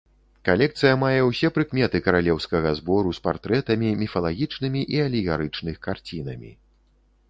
Калекцыя мае ўсе прыкметы каралеўскага збору з партрэтамі, міфалагічнымі і алегарычных карцінамі.